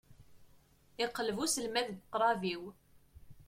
Iqelleb uselmad deg uqrab-iw.